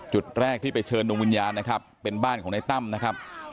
จุดแรกที่ไปเชิญดวงวิญญาณนะครับเป็นบ้านของในตั้มนะครับ